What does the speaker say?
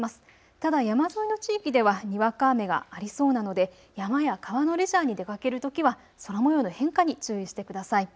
ただ山沿いの地域ではにわか雨がありそうなので山や川のレジャーに出かけるときは空もようの変化に注意してください。